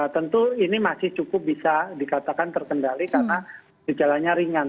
tentu ini masih cukup bisa dikatakan terkendali karena gejalanya ringan